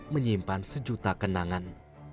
menyimpan sejuta kenangan